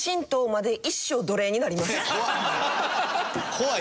怖い！